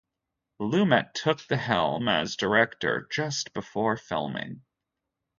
Lumet took the helm as director just before filming.